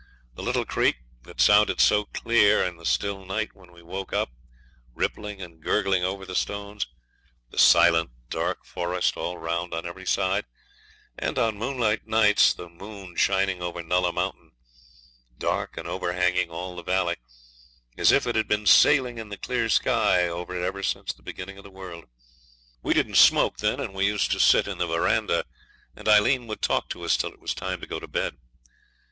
The little creek, that sounded so clear in the still night when we woke up, rippling and gurgling over the stones, the silent, dark forest all round on every side; and on moonlight nights the moon shining over Nulla Mountain, dark and overhanging all the valley, as if it had been sailing in the clear sky over it ever since the beginning of the world. We didn't smoke then, and we used to sit in the verandah, and Aileen would talk to us till it was time to go to bed.